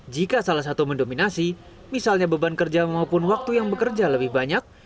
jika salah satu mendominasi misalnya beban kerja maupun waktu yang bekerja lebih banyak